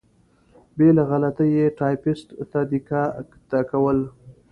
بې له غلطۍ یې ټایپېسټ ته دیکته کول.